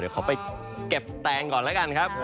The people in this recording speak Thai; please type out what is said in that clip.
เดี๋ยวขอไปเก็บแตงก่อนแล้วกันครับ